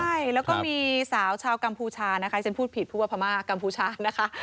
ใช่แล้วก็มีสาวชาวกัมพูชานะคะที่ฉันพูดผิดพูดว่าพม่ากัมพูชานะคะ